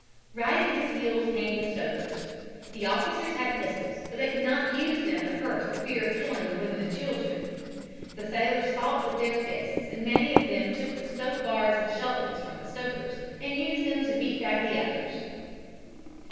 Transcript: Right at his heels came the stokers. The officers had pistols, but they could not use them at first for fear of killing the women and children. The sailors fought with their fists and many of them took the stoke bars and shovels from the stokers and used them to beat back the others.